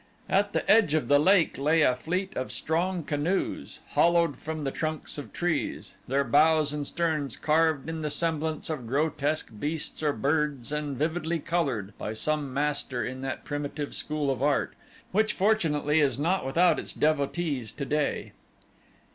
At the edge of the lake lay a fleet of strong canoes, hollowed from the trunks of trees, their bows and sterns carved in the semblance of grotesque beasts or birds and vividly colored by some master in that primitive school of art, which fortunately is not without its devotees today.